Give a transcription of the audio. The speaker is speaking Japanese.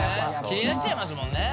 気になっちゃいますもんね。